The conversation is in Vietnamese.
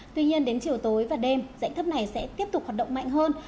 tuy nhiên đến chiều tối và đêm dãy thấp này sẽ tiếp tục hoạt động mạnh hơn